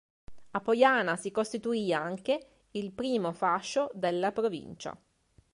A Pojana si costituì anche il primo fascio della provincia.